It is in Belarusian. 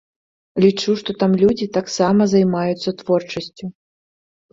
Лічу, што там людзі таксама займаюцца творчасцю.